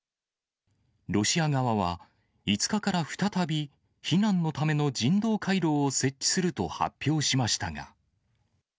ロシア側は、５日から再び、避難のための人道回廊を設置すると発表しましたが。